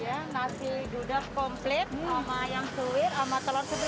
ya nasi duda komplit sama ayam suwir sama telur supir